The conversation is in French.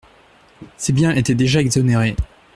Ces biens étaient déjà exonérés.